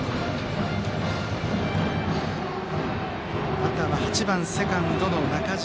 バッターは８番セカンド、中島。